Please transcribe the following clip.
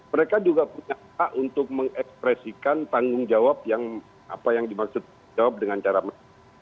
mereka juga punya hak untuk mengekspresikan tanggung jawab yang apa yang dimaksud jawab dengan cara mereka